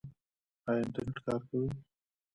ایا انټرنیټ کاروئ؟